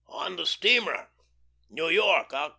ON THE STEAMER. New York, Oct.